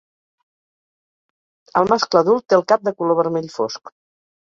El mascle adult té el cap de color vermell fosc.